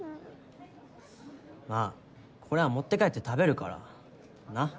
まぁこれは持って帰って食べるからなっ。